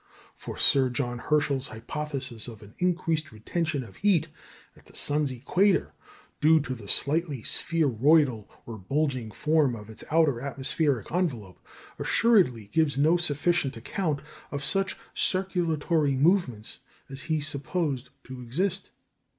For Sir John Herschel's hypothesis of an increased retention of heat at the sun's equator, due to the slightly spheroidal or bulging form of its outer atmospheric envelope, assuredly gives no sufficient account of such circulatory movements as he supposed to exist.